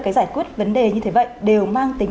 cái giải quyết vấn đề như thế vậy đều mang tính